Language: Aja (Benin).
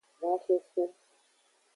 Honxoxo.